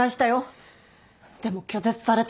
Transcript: でも拒絶されて。